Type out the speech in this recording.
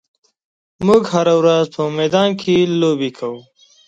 موږ هره ورځ په میدان کې لوبې کوو.